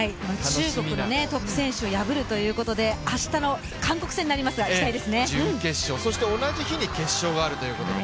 中国のトップ選手を破るということで、明日の韓国戦となりますが準決勝、そして同じ日に決勝があるということで。